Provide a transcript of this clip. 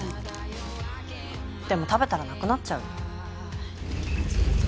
でも食べたらなくなっちゃうよ。